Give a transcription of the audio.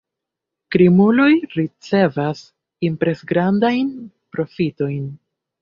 Krimuloj ricevas impresgrandajn profitojn.